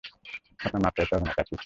আপনার মাফ চাইতে হবে না, চাচী।